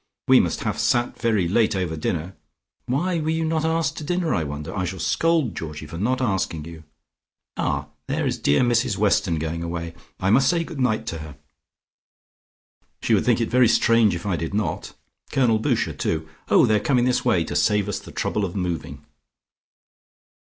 We must have sat very late over dinner. Why were you not asked to dinner, I wonder! I shall scold Georgie for not asking you. Ah, there is dear Mrs Weston going away. I must say good night to her. She would think it very strange if I did not. Colonel Boucher, too! Oh, they are coming this way to save us the trouble of moving."